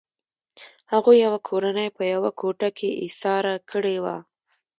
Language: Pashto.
هغوی یوه کورنۍ په یوه کوټه کې ایساره کړې وه